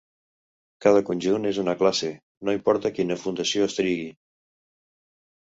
Cada conjunt és una classe, no importa quina fundació es trigui.